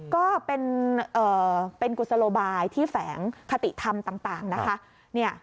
ก็เป็นกุศโลบายที่แฝงคติธรรมต่างนะคะ